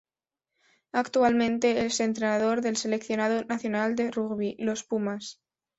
Actualmente es entrenador del seleccionado nacional de rugby, Los Pumas.